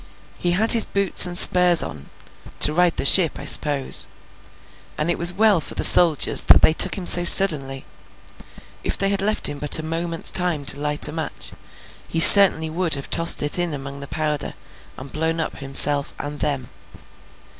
He had his boots and spurs on—to ride to the ship, I suppose—and it was well for the soldiers that they took him so suddenly. If they had left him but a moment's time to light a match, he certainly would have tossed it in among the powder, and blown up himself and them.